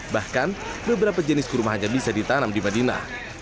bahkan beberapa jenis kurma hanya bisa ditanam di madinah